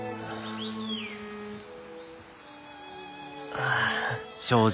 ああ。